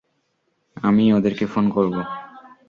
আমিই ওদেরকে ফোন করবো।